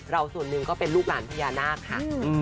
ส่วนหนึ่งก็เป็นลูกหลานพญานาคค่ะ